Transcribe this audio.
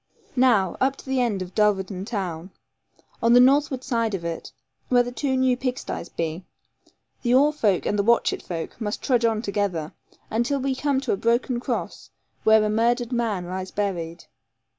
Now, up to the end of Dulverton town, on the northward side of it, where the two new pig sties be, the Oare folk and the Watchett folk must trudge on together, until we come to a broken cross, where a murdered man lies buried.